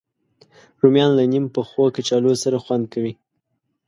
رومیان له نیم پخو کچالو سره خوند کوي